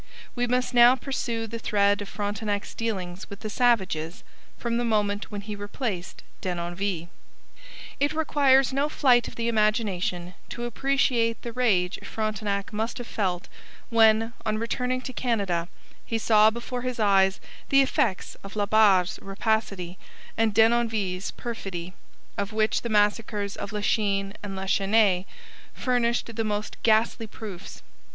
We must now pursue the thread of Frontenac's dealings with the savages from the moment when he replaced Denonville. It requires no flight of the imagination to appreciate the rage Frontenac must have felt when, on returning to Canada, he saw before his eyes the effects of La Barre's rapacity and Denonville's perfidy, of which the massacres of Lachine and La Chesnaye furnished the most ghastly proofs.